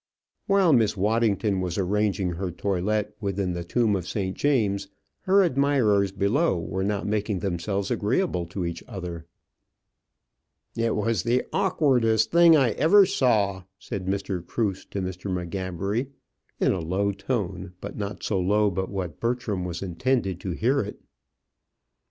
While Miss Waddington was arranging her toilet within the tomb of St. James, her admirers below were not making themselves agreeable to each other. "It was the awkwardest thing I ever saw," said Mr. Cruse to Mr. M'Gabbery, in a low tone, but not so low but what Bertram was intended to hear it.